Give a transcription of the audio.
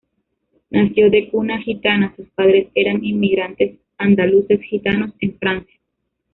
Nació de cuna gitana, sus padres eran inmigrantes andaluces gitanos en Francia.